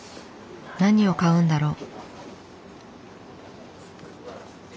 何を買うんだろう？